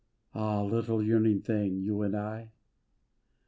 Ah! little yearning thing, you and I?